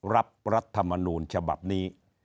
รับรัฐมนตร์ฉบับนี้